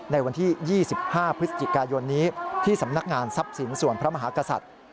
ในวันที่๒๕พฤศจิกายนนี้ที่สำนักงานทรัพย์สินส่วนพระมหากษัตริย์